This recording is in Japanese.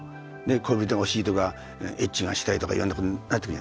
恋人が欲しいとかエッチがしたいとかいろんなことになってくる。